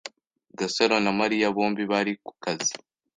Gasaro na Mariya bombi bari kukazi.